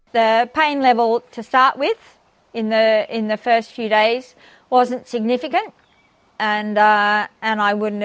dia mengajar pengunduhan di sisi wanita bytes maka ini sudah hidupnya